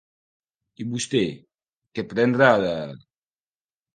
I vostè, què prendrà de...?